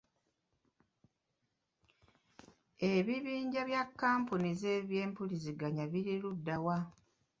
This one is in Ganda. Ebibinja bya kampuni zempuliziganya biri luddawa?